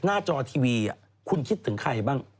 หน้าจอทีวีคุณคิดถึงใครบ้าง